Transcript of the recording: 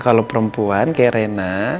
kalau perempuan kayak reina